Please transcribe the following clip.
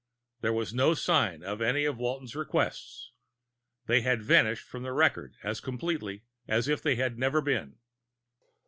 There was no sign of any of Walton's requests. They had vanished from the record as completely as if they had never been.